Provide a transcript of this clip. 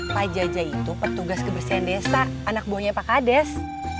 pak jaja itu petugas kebersihan desa anak buahnya pak kades